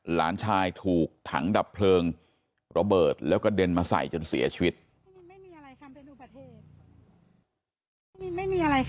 หลานชายถูกถังดับเพลิงระเบิดแล้วกระเด็นมาใส่จนเสียชีวิต